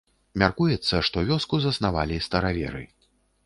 Мяркуецца, што вёску заснавалі стараверы.